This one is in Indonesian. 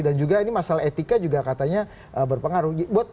dan juga ini masalah etika juga katanya berpengaruh